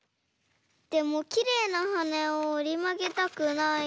でもきれいなはねをおりまげたくないし。